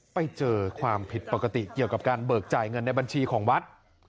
ไปเจอความผิดปกติเกี่ยวกับการเบิกจ่ายเงินในบัญชีของวัด